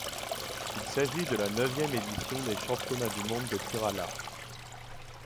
Il s'agit de la neuvième édition des championnats du monde de tir à l'arc.